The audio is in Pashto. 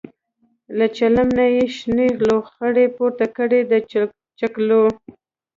له چلم نه یې شنې لوخړې پورته کړې د څکلو.